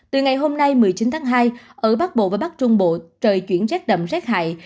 từ ngày hôm nay một mươi chín tháng hai ở bắc bộ và bắc trung bộ trời chuyển rét đậm rét hại